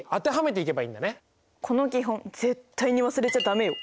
この基本絶対に忘れちゃ駄目よ！